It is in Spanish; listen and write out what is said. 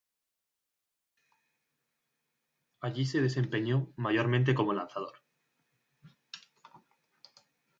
Allí se desempeñó mayormente como lanzador.